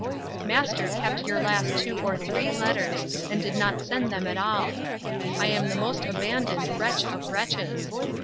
—Master kept your last two or three letters, and did not send them at all. I am the most abandoned wretch of wretches.